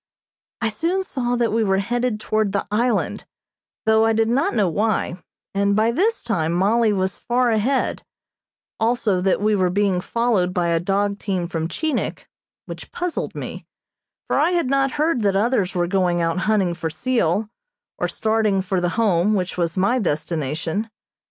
I soon saw that we were headed toward the island, though I did not know why, and by this time Mollie was far ahead, also that we were being followed by a dog team from Chinik, which puzzled me, for I had not heard that others were going out hunting for seal, or starting for the Home, which was my destination.